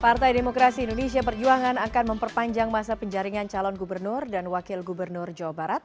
partai demokrasi indonesia perjuangan akan memperpanjang masa penjaringan calon gubernur dan wakil gubernur jawa barat